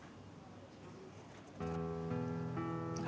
あ